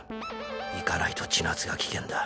行かないとちなつが危険だ